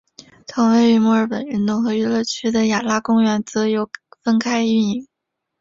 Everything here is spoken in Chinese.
同位于墨尔本运动和娱乐区的雅拉公园则由分开营运。